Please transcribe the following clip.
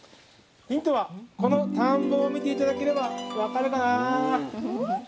ヒントはこの田んぼを見て頂ければ分かるかな。